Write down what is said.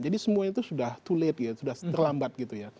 jadi semuanya itu sudah terlambat gitu ya